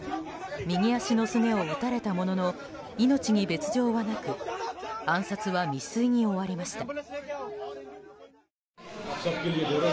右足のすねを撃たれたものの命に別条はなく暗殺は未遂に終わりました。